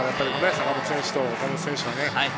坂本選手と岡本選手はね。